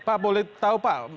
pak boleh tahu pak